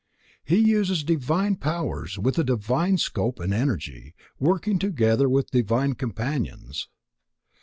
He uses divine powers, with a divine scope and energy, working together with divine Companions.